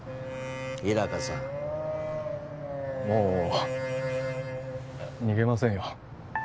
日高さんもう逃げませんよ